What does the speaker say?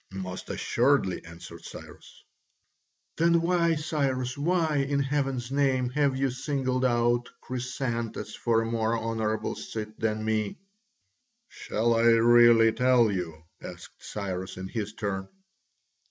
"Most assuredly," answered Cyrus. "Then why, Cyrus, why, in heaven's name, have you singled out Chrysantas for a more honourable seat than me?" "Shall I really tell you?" asked Cyrus in his turn.